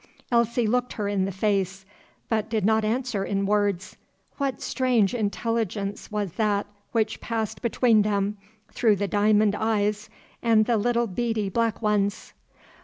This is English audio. Elsie looked her in the face, but did not answer in words. What strange intelligence was that which passed between them through the diamond eyes and the little beady black ones?